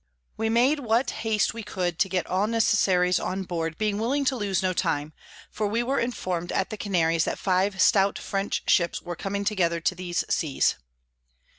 We made what haste we could to get all Necessaries on board, being willing to lose no time; for we were inform'd at the Canaries that five stout French Ships were coming together to these Seas.